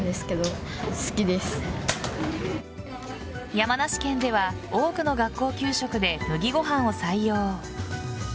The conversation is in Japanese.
山梨県では多くの学校給食で麦ご飯を採用。